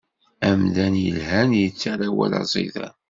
Amdan ilhan, ittarra awal aẓidan.